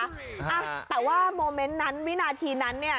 อ่ะแต่ว่าโมเมนต์นั้นวินาทีนั้นเนี่ย